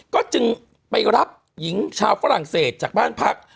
ก็จึงไปรับหญิงชาวฝรั่งเศสจากบ้านพัก